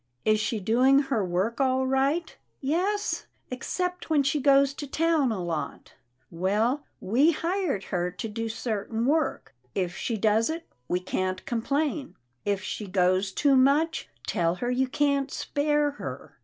" Is she doing her work all right ?'*" Yes, except when she goes to town a lot." " Well, we hired her to do certain work, If she PERLETTA PUZZLES HER FRIENDS 293 does it, we can't complain. If she goes too much, tell her you can't spare her.